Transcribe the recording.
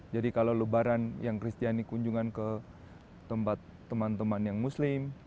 jadi kalau lebaran yang kristiani kunjungan ke tempat teman teman yang muslim